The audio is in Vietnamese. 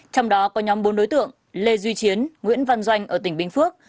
trong đó có nhóm bốn đối tượng lê duy chiến nguyễn văn doanh ở tỉnh bình phước